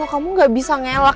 kamu gak bisa ngelak